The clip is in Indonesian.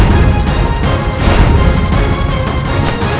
meng basin per penalty